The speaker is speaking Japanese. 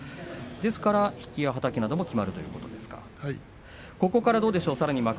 ですから、引きやはたきがきまるということですか。